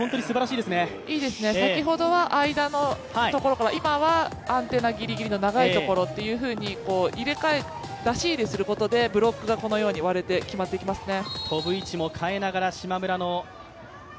いいですね、先ほどは間のところから、今はアンテナギリギリの長いところというふうに出し入れすることで、ブロックがこのように割れて決まってきますね。